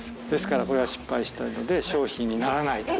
ですからこれは失敗したので、商品にならない。